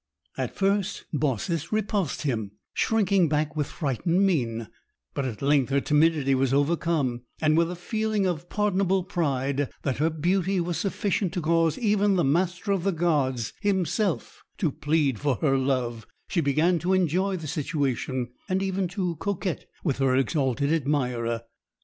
At first, Baucis repulsed him, shrinking back with frightened mien; but at length her timidity was overcome, and with a feeling of pardonable pride that her beauty was sufficient to cause even the Master of the Gods himself to plead for her love, she began to enjoy the situation, and even to coquette with her exalted admirer.